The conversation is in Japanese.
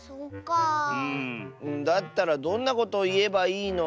だったらどんなことをいえばいいの？